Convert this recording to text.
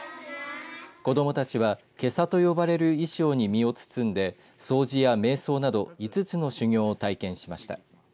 子どもたちは、けさと呼ばれる衣装に身を包んで掃除やめい想などを５つの修行を体験しました。